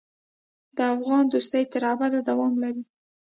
د افغان دوستي تر ابده دوام لري.